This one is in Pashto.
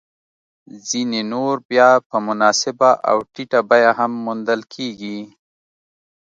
ځیني نور بیا په مناسبه او ټیټه بیه هم موندل کېږي